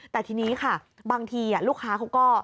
แต่ทีนี้ค่ะบางทีลูกค้าเขาก็